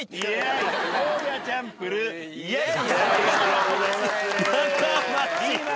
ありがとうございます。